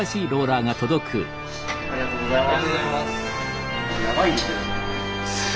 ありがとうございます。